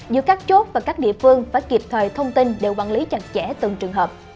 giữa các chốt và các địa phương phải kịp thời thông tin để quản lý chặt chẽ từng trường hợp